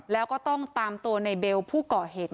แล้วก็ต้องตามตัวในเบลผู้ก่อเหตุ